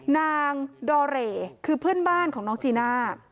ดอเรคือเพื่อนบ้านของน้องจีน่า